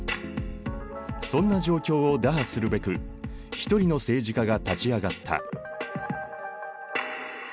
そんな状況を打破するべく一人の政治家が立ち上がった。